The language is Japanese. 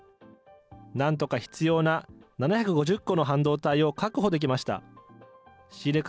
なんとか必要な７５０個の半導体を確保できました。